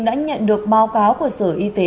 đã nhận được báo cáo của sở y tế